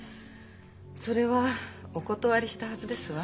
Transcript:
それはお断りしたはずですわ。